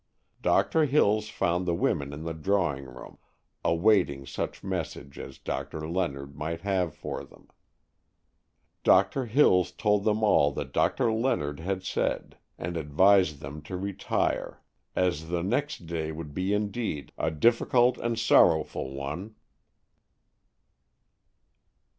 Doctor Hills found the women in the drawing room, awaiting such message as Doctor Leonard might have for them. Doctor Hills told them all that Doctor Leonard had said, and advised them to retire, as the next day would be indeed a difficult and sorrowful one.